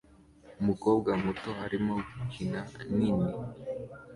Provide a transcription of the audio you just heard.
Umukobwa muto arimo gukina nini